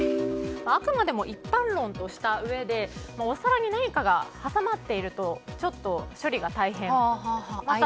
あくまでも一般論としたうえでお皿に何かが挟まっているとちょっと処理が大変。